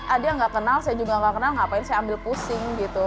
ah dia nggak kenal saya juga nggak kenal ngapain saya ambil pusing gitu